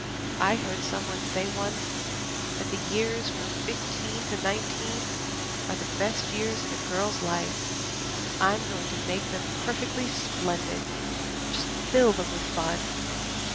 I heard someone say once that the years from fifteen to nineteen are the best years in a girl's life. I'm going to make them perfectly splendid just fill them with fun."